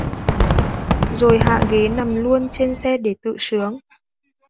rồi hạ ghế nằm luôn trên xe để tự sướng